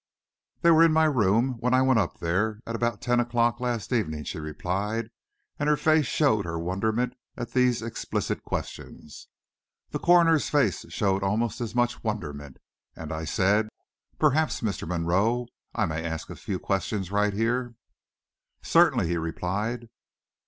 "They were in my room when I went up there at about ten o'clock last evening," she replied, and her face showed her wonderment at these explicit questions. The coroner's face showed almost as much wonderment, and I said: "Perhaps, Mr. Monroe, I may ask a few questions right here." "Certainly," he replied.